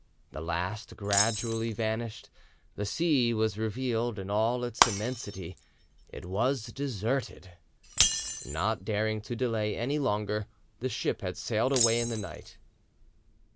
The last gradually vanished, the sea was revealed in all its immensity, it was deserted. Not daring to delay any longer, the ship had sailed away in the night.